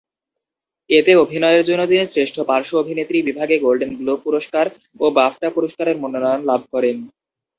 এতে অভিনয়ের জন্য তিনি শ্রেষ্ঠ পার্শ্ব অভিনেত্রী বিভাগে গোল্ডেন গ্লোব পুরস্কার ও বাফটা পুরস্কারের মনোনয়ন লাভ করেন।